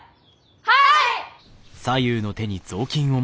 はい！